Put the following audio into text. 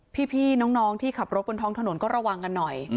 พี่น้องที่ขับรถบนท้องถนนก็ระวังกันหน่อย